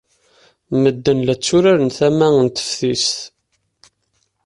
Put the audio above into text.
Medden la tturaren tama n teftist.